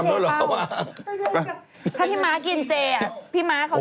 โอ้โฮ